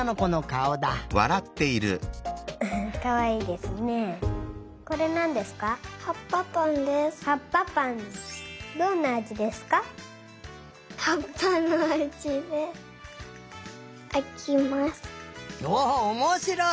おっおもしろい！